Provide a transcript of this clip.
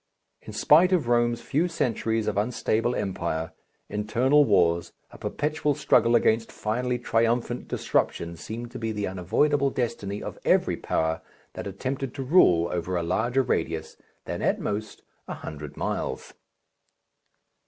In spite of Rome's few centuries of unstable empire, internal wars, a perpetual struggle against finally triumphant disruption seemed to be the unavoidable destiny of every power that attempted to rule over a larger radius than at most a hundred miles.